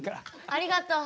ありがとう。